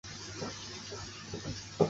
中世纪此地名为锻冶山。